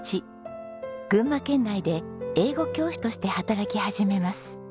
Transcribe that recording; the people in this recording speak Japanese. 群馬県内で英語教師として働き始めます。